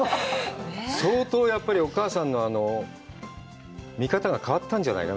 相当やっぱりお母さんの見方が変わったんじゃないの？